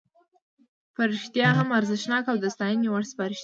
په رښتیا هم ارزښتناکه او د ستاینې وړ سپارښتنې دي.